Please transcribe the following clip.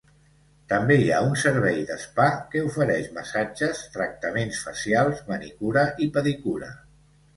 També hi ha un servei de spa que ofereix massatges, tractaments facials, manicura i pedicura.